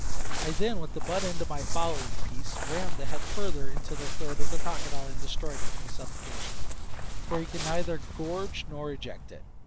I then, with the butt end of my fowling piece, rammed the head farther into the throat of the crocodile, and destroyed him, by suffocation, for he could neither gorge nor eject it.